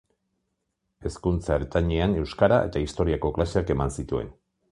Hezkuntza ertainean euskara eta historiako klaseak eman zituen.